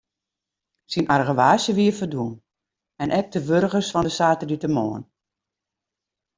Syn argewaasje wie ferdwûn en ek de wurgens fan de saterdeitemoarn.